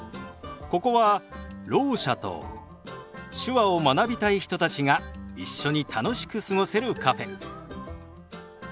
ここはろう者と手話を学びたい人たちが一緒に楽しく過ごせるカフェ。